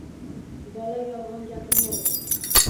Bola yolgʻon gapirmaydi.